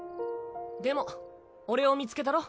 でも俺を見つけたろ。